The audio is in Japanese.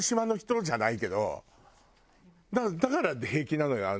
だから平気なのよ